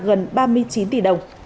gần ba mươi chín tỷ đồng